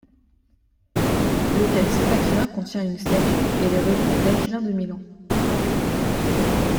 L'autel Saint-Aquilin contient une statue et les reliques d'Aquilin de Milan.